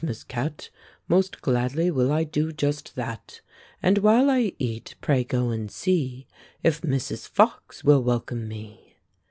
Miss Cat, Most gladly will I do just that;* And while I eat, pray, go and see If Mrs. Fox will welcome me."